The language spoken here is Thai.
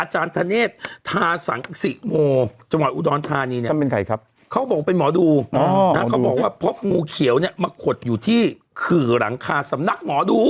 อ๋อหมอดูนะเขาบอกว่าพบงูเขียวเนี่ยมะขดอยู่ที่ขื่อหลังคาสำนักหมอดู